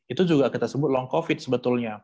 itu juga kita sebut long covid sebetulnya